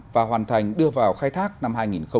và hoàn thành đưa vào khai thác năm hai nghìn hai mươi